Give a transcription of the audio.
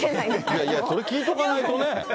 いやいや、それ聞いとかないとね。